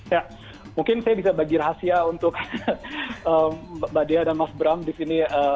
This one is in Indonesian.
ya mungkin saya bisa bagi rahasia untuk mbak dea dan mas bram di sini